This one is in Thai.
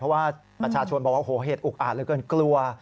เพราะว่าประชาชนบอกว่าโหเหตุอุกอาจเหลือเกินกลัว